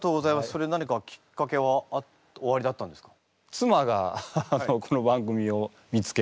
それ何かきっかけはおありだったんですか？